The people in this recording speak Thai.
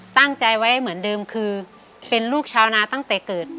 ตั้งใจไว้เหมือนเดิมคือเป็นลูกชาวนาตั้งแต่เกิด